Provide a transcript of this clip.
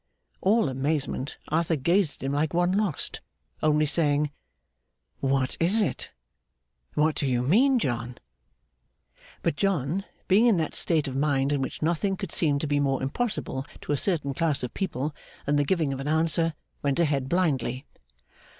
All amazement, Arthur gazed at him like one lost, only saying, 'What is it? What do you mean, John?' But, John, being in that state of mind in which nothing would seem to be more impossible to a certain class of people than the giving of an answer, went ahead blindly.